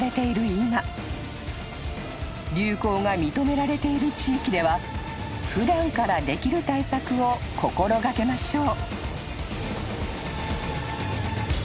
今流行が認められている地域では普段からできる対策を心掛けましょう］